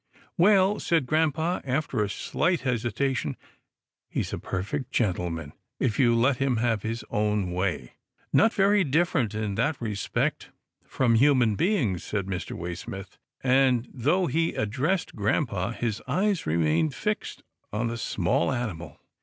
" Well," said grampa after a slight hesitation, " he's a perfect gentleman, if you let him have his own way." " Not very different in that respect from human 140 'TILDA JANE'S ORPHANS beings," said Mr. Waysmith, and, though he ad dressed grampa, his eyes remained fixed on the small animal.